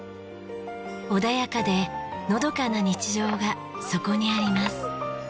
穏やかでのどかな日常がそこにあります。